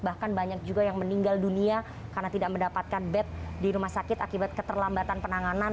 bahkan banyak juga yang meninggal dunia karena tidak mendapatkan bed di rumah sakit akibat keterlambatan penanganan